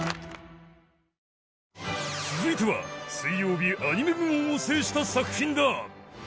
続いては水曜日アニメ部門を制した作品だ